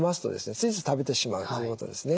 ついつい食べてしまうということですね。